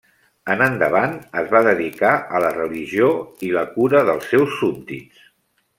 En endavant es va dedicar a la religió i la cura dels seus súbdits.